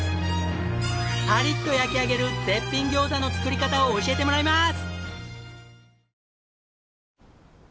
パリッと焼き上げる絶品餃子の作り方を教えてもらいます！